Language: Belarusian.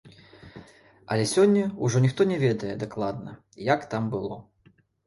Але сёння ўжо ніхто не ведае дакладна, як там было.